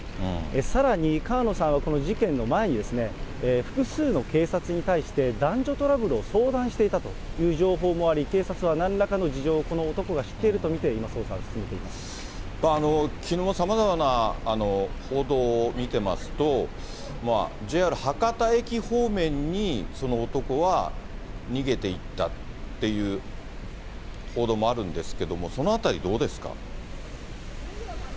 さらに、川野さんはこの事件の前に、複数の警察に対して、男女トラブルを相談していたという情報もあり、警察はなんらかの事情をこの男が知っていると見て今、きのう、さまざまな報道を見てますと、ＪＲ博多駅方面に、その男は逃げていったっていう報道もあるんですけれども、そのあたり、どうですか。